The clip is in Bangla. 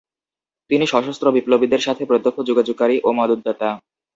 তিনি সশস্ত্র বিপ্লবীদের সাথে প্রত্যক্ষ যোগাযোগকারী ও মদতদাতা।